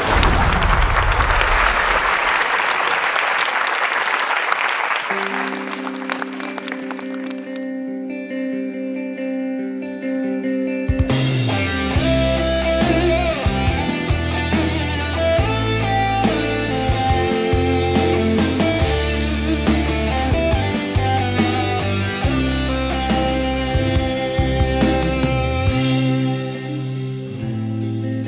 ขอบคุณครับ